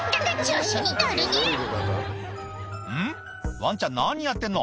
ワンちゃん何やってんの？